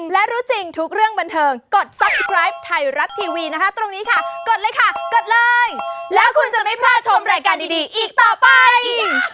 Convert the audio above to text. แล้วคุณจะไม่พลาดชมรายการดีอีกต่อไป